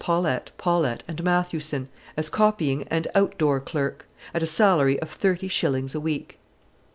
Paulette, Paulette, and Mathewson, as copying and out door clerk, at a salary of thirty shillings a week.